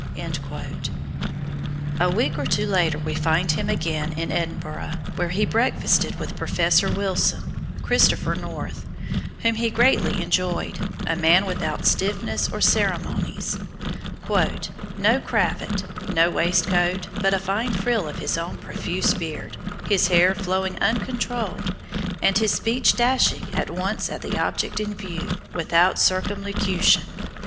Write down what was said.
"_ A week or two later we find him again in Edinburgh where he breakfasted with Professor Wilson ("Christopher North"), whom he greatly enjoyed, a man without stiffness or ceremonies: "No cravat, no waistcoat, but a fine frill of his own profuse beard, his hair flowing uncontrolled, and his speech dashing at once at the object in view, without circumlocution....